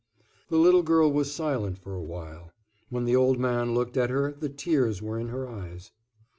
The little girl was silent for a while; when the old man looked at her the tears were in her eyes.